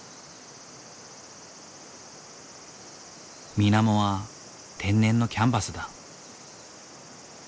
水面は天然のキャンバスだ。